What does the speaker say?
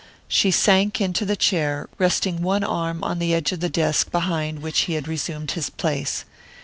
She sank into the chair, resting one arm on the edge of the desk behind which he had resumed his place.